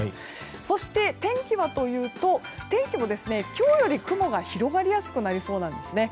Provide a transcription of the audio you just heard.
そして、天気はというと天気も今日よりは雲が広がりやすくなりそうです。